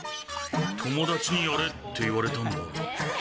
友達にやれって言われたんだ。